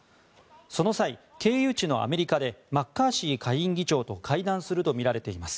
その際、経由地のアメリカでマッカーシー下院議長と会談するとみられています。